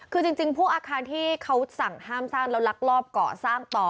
คือจริงพวกอาคารที่เขาสั่งห้ามสร้างแล้วลักลอบก่อสร้างต่อ